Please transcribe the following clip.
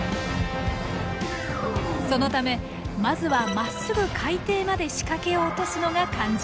そのためまずはまっすぐ海底まで仕掛けを落とすのが肝心。